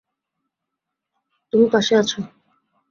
তুমি পাশে আছ।